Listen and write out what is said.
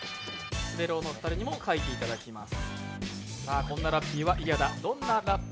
滑狼のお二人にも書いていただきます。